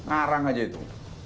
narang aja itu